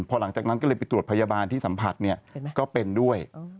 พอหลังจากนั้นก็เลยไปตรวจพยาบาลที่สัมผัสเนี่ยก็เป็นด้วย